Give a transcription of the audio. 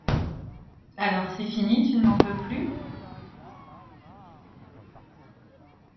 Alors, c'est fini, tu ne m'en veux plus?